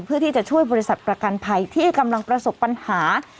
เพื่อที่จะช่วยบริษัทประกันภัยที่กำลังประสบปัญหา